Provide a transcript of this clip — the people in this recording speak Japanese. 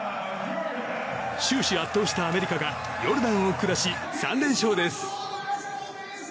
終始圧倒したアメリカがヨルダンを下し、３連勝です。